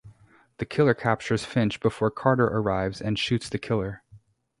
The killer captures Finch before Carter arrives and shoots the killer.